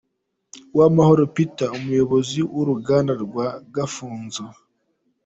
Uwamahoro Peter, Umuyobozi w’Uruganda rwa Gafunzo.